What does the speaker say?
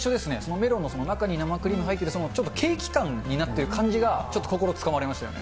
メロンの中に生クリームが入ってる、ちょっとケーキ感になってる感じが、ちょっと心つかまれましたよね。